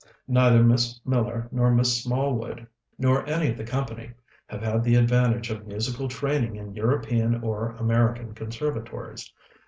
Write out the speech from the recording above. "Neither Miss Miller nor Mrs. Smallwood, nor any of the company, have had the advantage of musical training in European or American conservatories.